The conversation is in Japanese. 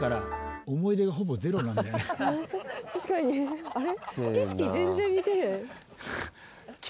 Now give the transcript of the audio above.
確かにあれ？